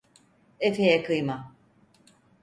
Efeye kıyma…